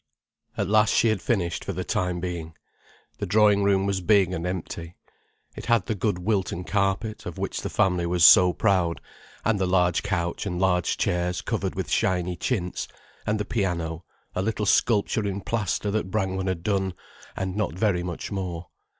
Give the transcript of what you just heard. At last she had finished for the time being. The drawing room was big and empty. It had the good Wilton carpet, of which the family was so proud, and the large couch and large chairs covered with shiny chintz, and the piano, a little sculpture in plaster that Brangwen had done, and not very much more.